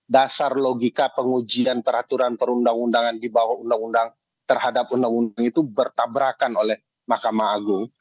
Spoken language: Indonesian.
dasar logika pengujian peraturan perundang undangan di bawah undang undang terhadap undang undang itu bertabrakan oleh mahkamah agung